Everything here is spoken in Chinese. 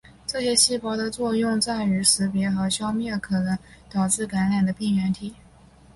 这些细胞的作用在于识别和消灭可能导致感染的病原体。